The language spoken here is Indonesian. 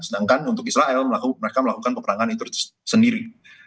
sedangkan untuk israel mereka melakukan peperangan itu sendiri